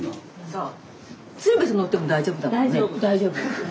そう。